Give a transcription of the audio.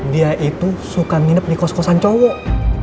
dia itu suka nginep di kos kosan cowok